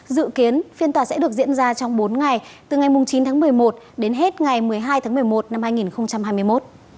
dự kiến phiên tòa sẽ được diễn ra trong bốn ngày từ ngày chín tháng một mươi một đến hết ngày một mươi hai tháng một mươi một năm hai nghìn hai mươi một